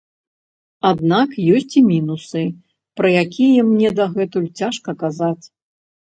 Аднак ёсць і мінусы, пра якія мне дагэтуль цяжка казаць.